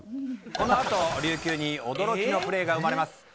このあと琉球に驚きのプレーが生まれます。